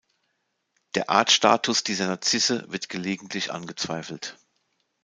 Der Artstatus dieser Narzisse wird gelegentlich angezweifelt.